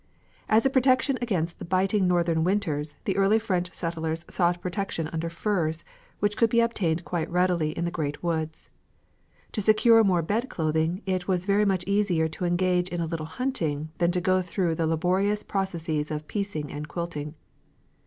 As a protection against the biting northern winters, the early French settlers sought protection under furs, which could be obtained quite readily in the great woods. To secure more bed clothing, it was very much easier to engage in a little hunting than to go through the laborious processes of piecing and quilting.